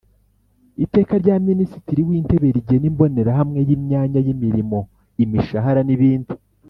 Iteka rya Minisitiri w Intebe rigena imbonerahamwe y imyanya y imirimo imishahara n ibindi